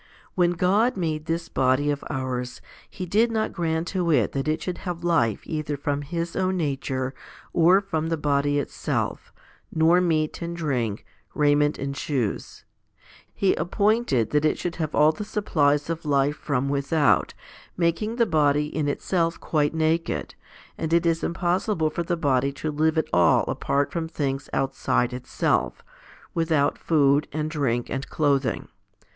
When God made this body of ours, He did not grant to it that it should have life either from His own nature or from the body itself, nor meat and drink, raiment and shoes; He appointed that it should have all the supplies of life from without, making the body in itself quite naked, and it is impossible for the body to live at all apart from things outside itself, without food and drink and clothing.